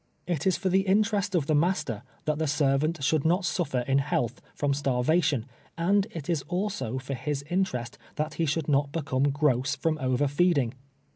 It is for the interest of the master that the ser vant should not suffer in health from starvation, and it is also for his interest that he should not become gross from over feeding.